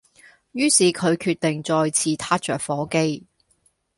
於是佢決定再次撻着火機